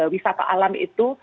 wisata alam itu